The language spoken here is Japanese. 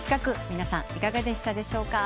皆さんいかがでしたでしょうか？